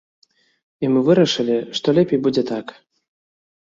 І мы вырашылі, што лепей будзе так.